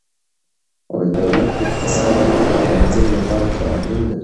دولت د اقتصاد د تنظیم لپاره قوانین لري.